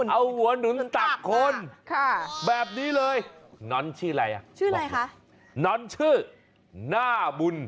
เอาหัวหนุนตักคนแบบนี้เลยน้อนชื่ออะไรความคิดน้อนชื่อน่าบุญ